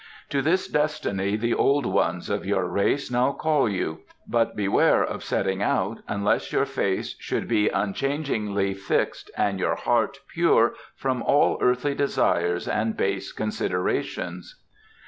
To this destiny the Old Ones of your race now call you; but beware of setting out unless your face should be unchangingly fixed and your heart pure from all earthly desires and base considerations."